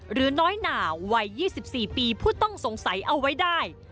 หรือน้อยหนาวัย๒๔ปีผู้ต้องสงสัยเอาไว้ได้